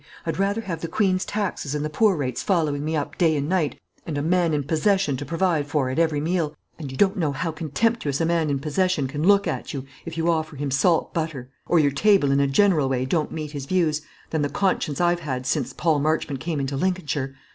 I'd rather have the Queen's taxes and the poor rates following me up day and night, and a man in possession to provide for at every meal and you don't know how contemptuous a man in possession can look at you if you offer him salt butter, or your table in a general way don't meet his views than the conscience I've had since Paul Marchmont came into Lincolnshire.